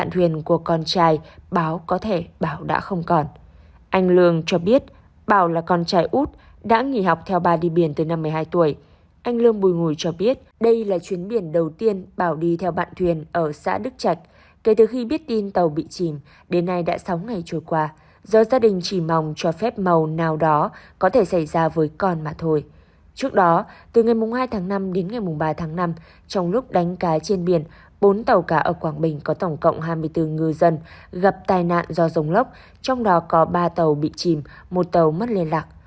trước đó từ ngày hai tháng năm đến ngày ba tháng năm trong lúc đánh cá trên biển bốn tàu cá ở quảng bình có tổng cộng hai mươi bốn ngư dân gặp tai nạn do rồng lốc trong đó có ba tàu bị chìm một tàu mất liên lạc